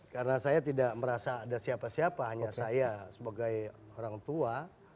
karena saya tidak merasa ada siapa siapa hanya saya sebagai orang tua